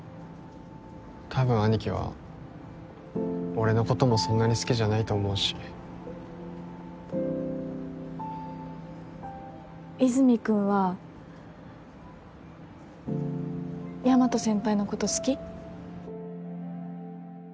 多分兄貴は俺のこともそんなに好きじゃないと思うし和泉君は大和先輩のこと好き？